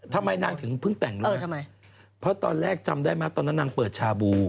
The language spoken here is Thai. ทำไมนางถึงเพิ่งแต่งเลยทำไมเพราะตอนแรกจำได้ไหมตอนนั้นนางเปิดชาบู